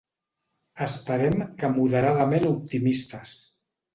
Esperem que moderadament optimistes.